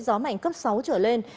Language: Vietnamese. gió mạnh cấp sáu trở lên